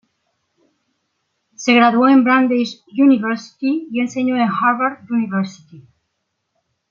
Se graduó en Brandeis University y enseñó en Harvard University.